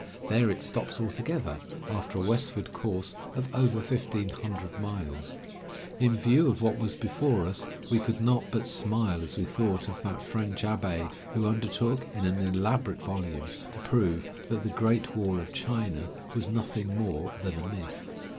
There it stops altogether, after a westward course of over fifteen hundred miles. In view of what was before us, we could not but smile as we thought of that French abbe who undertook, in an elaborate volume, to prove that the "Great Wall of China" was nothing more than a myth.